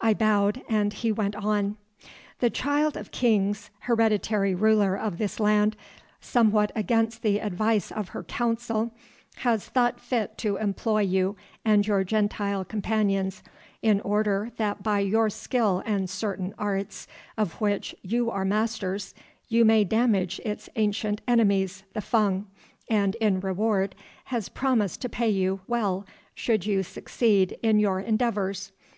I bowed, and he went on: "The Child of Kings, hereditary ruler of this land, somewhat against the advice of her Council, has thought fit to employ you and your Gentile companions in order that by your skill and certain arts of which you are masters you may damage its ancient enemies, the Fung, and in reward has promised to pay you well should you succeed in your endeavours.